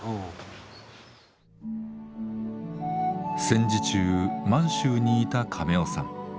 戦時中満州にいた亀雄さん。